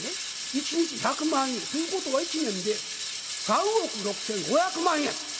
一日１００万円。ということは一年で３億６，５００万円。